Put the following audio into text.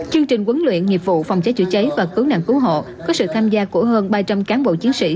chương trình huấn luyện nghiệp vụ phòng cháy chữa cháy và cứu nạn cứu hộ có sự tham gia của hơn ba trăm linh cán bộ chiến sĩ